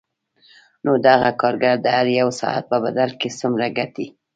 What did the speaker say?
نو دغه کارګر د هر یوه ساعت په بدل کې څومره ګټي